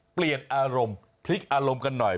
เปลี่ยนอารมณ์พลิกอารมณ์กันหน่อย